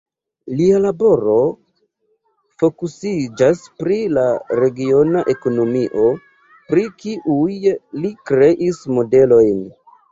Lia laboro fokusiĝas pri la regiona ekonomio, pri kiuj li kreis modelojn.